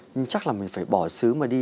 nhưng chắc là mình phải bỏ xứ mà đi